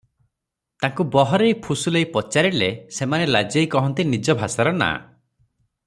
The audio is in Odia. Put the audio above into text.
ତାଙ୍କୁ ବହରେଇ ଫୁସୁଲେଇ ପଚାରିଲେ ସେମାନେ ଲାଜେଇ କହନ୍ତି ନିଜ ଭାଷାର ନାଁ ।